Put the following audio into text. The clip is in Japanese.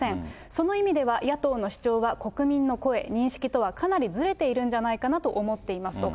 その意味では野党の主張は国民の声、認識とはかなりずれているんじゃかなと思っておりますと。